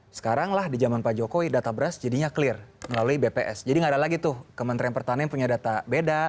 sekarang lah di zaman pak jokowi data beras jadinya clear melalui bps jadi nggak ada lagi tuh kementerian pertanian punya data beda